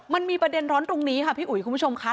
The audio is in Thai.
มันมีประเด็นร้อนตรงนี้ค่ะพี่อุ๋ยคุณผู้ชมค่ะ